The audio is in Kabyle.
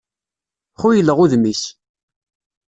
Xuyleɣ udem-is.